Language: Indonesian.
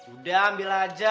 udah ambil aja